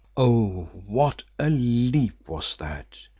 Oh! what a leap was that.